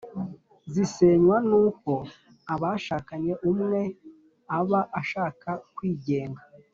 zisenywa n’uko abashakanye umwe aba ashaka kwigenga.